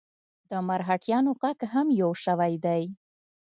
د مرهټیانو ږغ هم یو شوی دی.